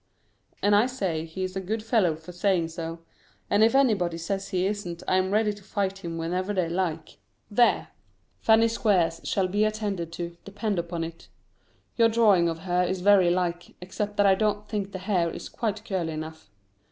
And I say he is a good fellow for saying so; and if anybody says he isn't I am ready to fight him whenever they like there! Fanny Squeers shall be attended to, depend upon it. Your drawing of her is very like, except that I don't think the hair is quite curly enough.